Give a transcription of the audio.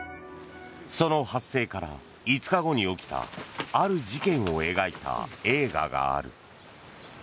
その発生から５日後に起きたある事件を描いた映画がある。